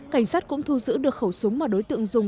cảnh sát cũng thu giữ được khẩu súng mà đối tượng dùng